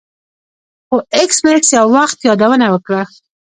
خو ایس میکس یو وخت یادونه وکړه